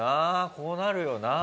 こうなるよな。